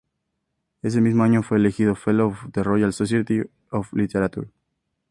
Ese mismo año fue elegida "Fellow of the Royal Society of Literature".